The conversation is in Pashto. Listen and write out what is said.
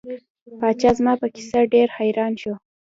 پاچا زما په کیسه ډیر حیران شو.